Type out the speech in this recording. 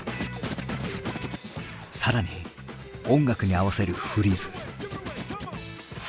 更に音楽に合わせるフリーズ。